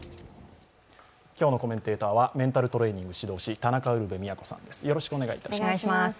今日のコメンテーターはメンタルトレーニング指導士田中ウルヴェ京さんです。